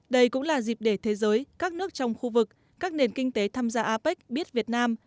đây cũng là dịp để thế giới các nước trong khu vực các nền kinh tế tham gia apec biết việt nam